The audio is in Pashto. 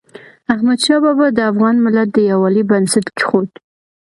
احمدشاه بابا د افغان ملت د یووالي بنسټ کېښود.